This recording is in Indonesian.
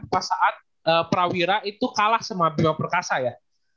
pas saat prawira itu kalah sama bima perkasa ya